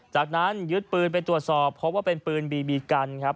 จากนั้นยึดปืนไปตรวจสอบพบว่าเป็นปืนบีบีกันครับ